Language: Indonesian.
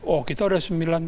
oh kita udah dua ribu sembilan